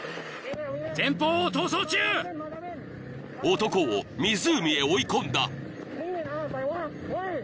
［男を湖へ追い込んだ］